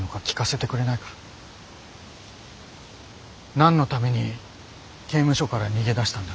何のために刑務所から逃げ出したんだ？